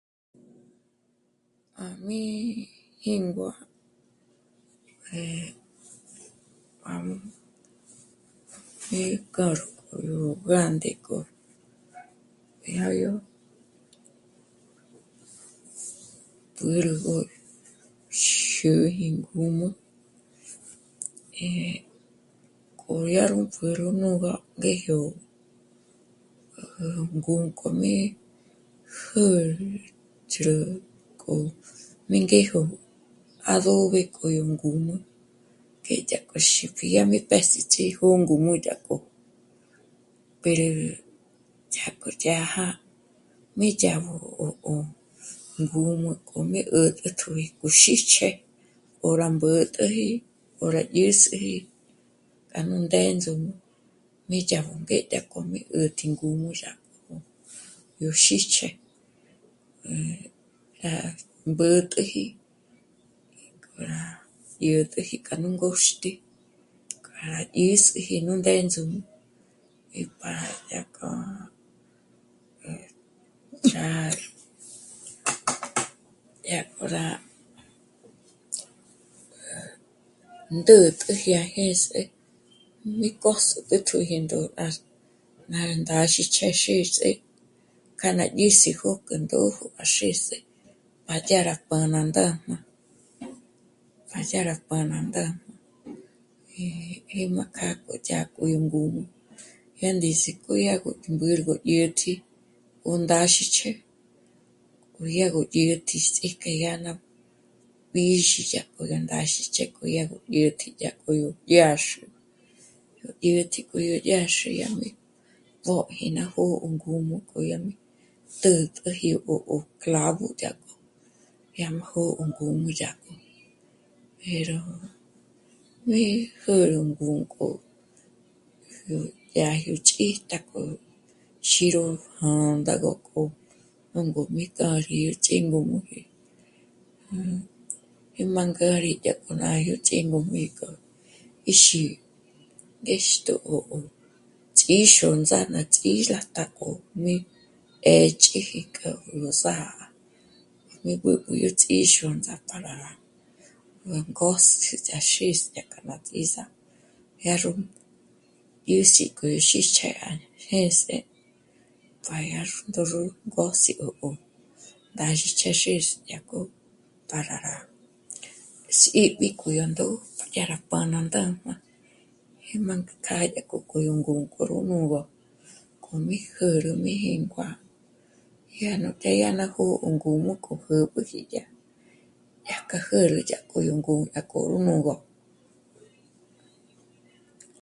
Májm'i jíngua 'e 'í k'a ró k'ó yó gánde k'ò, dyá ró mbǘrügö xä̌jü í ngǔm'ü, 'é k'o dyá ró pjǚrü nú'ugö ngéjyo rá ngúnk'ojmé pjǘ'ü chjǘ' k'o mí ngéjo adobe k'o yó ngǔm'ü ngék'a dya k'o xípji angeze dyá mí pés'i jó ngǔm'ü dyák'o, pero dyájkjo dyája mi dyá gó 'o, 'o ngǔm'ü k'o mi 'ä̀jt'ägö mí xijch'e o rá mbä̌t'äji 'ó rá dyés'eji k'a nú ndéndzǔm'a mí yá gó ngék'o dyä̀t'äji ngǔm'ü dyák'o yó xíjch'e. Rá mbä̌t'äji ngék'o rá dyä̀t'äji k'a nú ngóxt'i k'a rá dyés'eji nú ndéndzǔm'a í para dyájkjo rá... dyá k'o rá ndä̌t'äji á jés'e mi kö́ s'ü à tjò'o nà chjas'i k'a së́zhi k'a yá ná xís'i k'o jés'e para dya rá pa ná ndájna, pa dya rá pa ná ndájna e ri má kjákjo yá k'o yó ngǔm'ü, yá ndízik'o dyárgo mbúrgö dyä̀tji k'o ndáxíchjë k'o yá gó dyä̀tji k'e yá ná bǐzhi dyà k'o yá mbáxichjë, ngék'o yá gó 'ä̀tji dyá k'o yó yǎxü, yó yǎxu mbóji ná jó'o ngǔm'ü k'o yá mí tjä̂jtäji 'ó, 'ó clavo dyak'o yá má jó'o ngǔm'u nú dyá k'o, dye ró mí'i jä̌rü mbúnk'o dyá gó ch'ijta k'o yó xí ró jā̂ndā gó k'o ngǔm'ü táji k'a ts'íngǔm'u. Eh, má ngâri dyáj k'o ná yó ts'íngǔm'u míjk'o 'ìxi ngéxtjo 'o, í xôndzàna ts'í rá tâ'a k'o mé 'ë̌ch'iji ngó nú sà'a, mi b'ǚb'ü ná ts'ixondza para rá ngôs'i rá xìch' k'a ná tìza dyá ró dyés'i k'o xíjch'e jéns'e pa dyà ró ngós'i 'ó, 'ó yó ndájchjes'i dyájk'o para rá sí'b'i k'o yó ndò'o yá pa ná ndájnaji má kjâ'a dyá k'o, k'o yó ngó'o k'o yó ngúro, k'o mí jä̌rä mí jíngua yá nú të́'ë à na jó'o k'a ngǔm'ü k'o jä̌b'üji dyá, dyájkja jä̌rä dyájkjo nú dyájk'o 'ùnügö